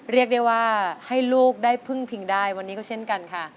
เรียกได้ว่าให้ลูกได้พึ่งพิงได้วันนี้ก็เช่นกันค่ะ